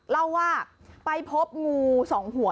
เล่าว่าไปพบงูสองหัว